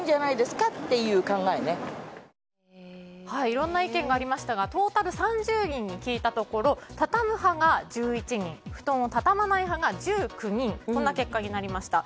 いろんな意見がありましたがトータル３０人に聞いたところ畳む派が１１人布団を畳まない派が１９人こんな結果になりました。